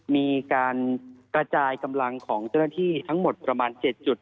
มีการกระจายกำลังของเจ้าหน้าที่ทั้งหมดประมาณ๗จุด